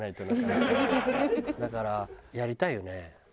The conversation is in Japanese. だからやりたいよね。